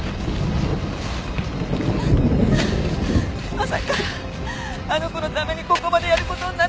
まさかあの子のためにここまでやる事になるなんて。